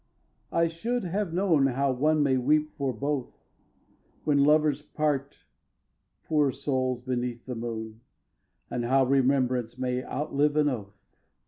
I should have known how one may weep for both When lovers part, poor souls! beneath the moon, And how Remembrance may outlive an oath.